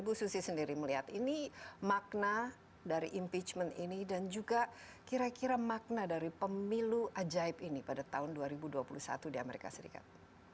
bu susi sendiri melihat ini makna dari impeachment ini dan juga kira kira makna dari pemilu ajaib ini pada tahun dua ribu dua puluh satu di amerika serikat